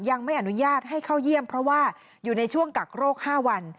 ยังไม่อนุญาตให้เข้าเยี่ยมเพราะว่าอยู่ในช่วงกักโรค๕วัน